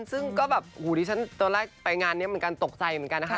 ซึ่งก็แบบฉันตอนแรกไปงานนี้มันกันตกใจเหมือนกันนะคะ